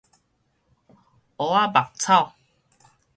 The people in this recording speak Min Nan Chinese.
烏仔目草